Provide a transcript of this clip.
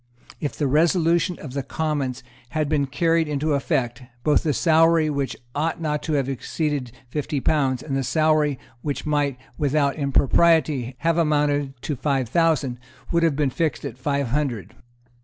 If the resolution of the Commons bad been carried into effect, both the salary which ought not to have exceeded fifty pounds, and the salary which might without impropriety have amounted to five thousand, would have been fixed at five hundred.